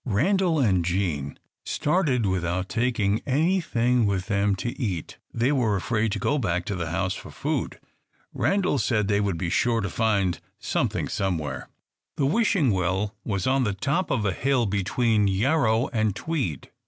Randal and Jean started without taking anything with them to eat. They were afraid to go back to the house for food. Randal said they would be sure to find something somewhere. The Wishing Well was on the top of a hill between Yarrow and Tweed.